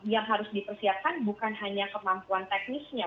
yang harus dipersiapkan bukan hanya kemampuan teknisnya